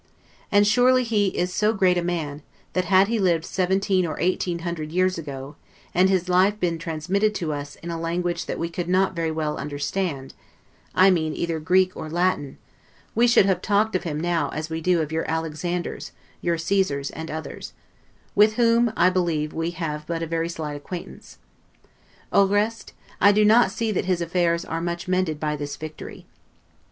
And surely he is so great a man, that had he lived seventeen or eighteen hundred years ago, and his life been transmitted to us in a language that we could not very well understand I mean either Greek or Latin we should have talked of him as we do now of your Alexanders, your Caesars, and others; with whom, I believe, we have but a very slight acquaintance. 'Au reste', I do not see that his affairs are much mended by this victory.